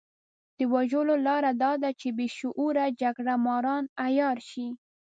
د وژلو لاره دا ده چې بې شعوره جګړه ماران عيار شي.